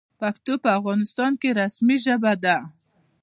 پښتو په افغانستان کې رسمي ژبه ده.